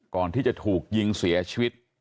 ก่อนที่จะถูกยิงเสียชีวิต